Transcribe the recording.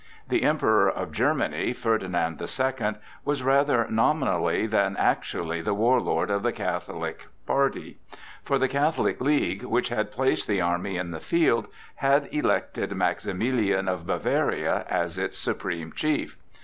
The Emperor of Germany, Ferdinand the Second, was rather nominally than actually the war lord of the Catholic party; for the Catholic League, which had placed the army in the field, had elected Maximilian of Bavaria as its supreme chief.